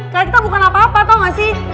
karena kita bukan apa apa tau gak sih